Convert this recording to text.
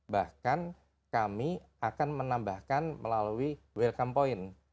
bahkan kami akan menambahkan melalui welcome point